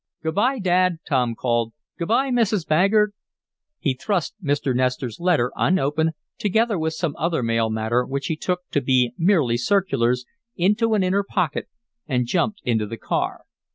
"Good bye, Dad!" Tom called. "Good bye, Mrs. Baggert!" He thrust Mr. Nestor's letter, unopened, together with some other mail matter, which he took to be merely circulars, into an inner pocket, and jumped into the car.